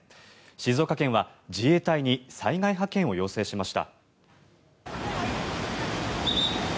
静岡県は自衛隊に災害派遣を要請しました。